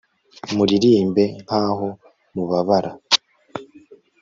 muririmbe, nkaho mubabara